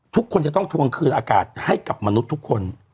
ทุกคนจะต้องทวงคืนอากาศให้กับมนุษย์ทุกคน